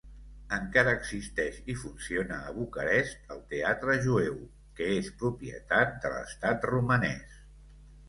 Encara existeix i funciona a Bucarest el Teatre Jueu, que és propietat de l'Estat romanès.